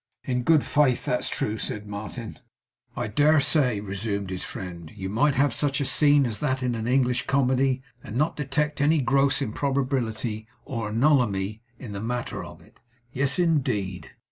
'In good faith, that's true,' said Martin. 'I dare say,' resumed his friend, 'you might have such a scene as that in an English comedy, and not detect any gross improbability or anomaly in the matter of it?' 'Yes, indeed!